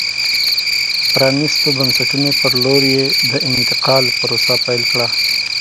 پرانیستو بنسټونو په لور یې د انتقال پروسه پیل کړه.